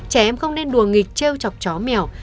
trẻ em không nên đùa nghịch treo chọc chó mèo